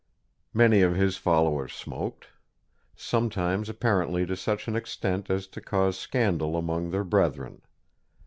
Many of his followers smoked, sometimes apparently to such an extent as to cause scandal among their brethren.